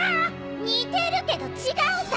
似てるけど違うさ。